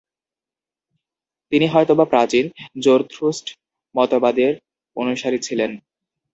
তিনি হয়তোবা প্রাচীন জরথ্রুস্ট মতবাদের অনুসারী ছিলেন।